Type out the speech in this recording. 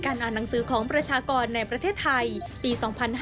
อ่านหนังสือของประชากรในประเทศไทยปี๒๕๕๙